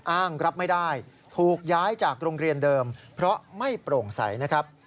อ้างรับไม่ได้ถูกย้ายจากโรงเรียนเดิมเพราะไม่โปร่งใสนะครับ